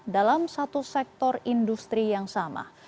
dalam satu sektor industri yang sama